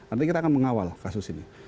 artinya kita akan mengawal kasus ini